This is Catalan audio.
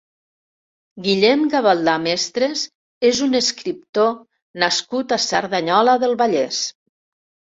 Guillem Gavaldà Mestres és un escriptor nascut a Cerdanyola del Vallès.